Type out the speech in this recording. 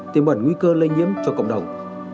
tiêm bẩn nguy cơ lây nhiễm cho cộng đồng